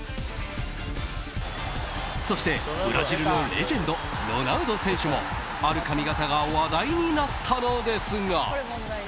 そして、ブラジルのレジェンドロナウド選手もある髪形が話題になったのですが。